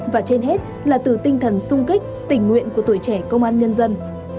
và trên hết là từ tinh thần sung kích tình nguyện của tuổi trẻ công an nhân dân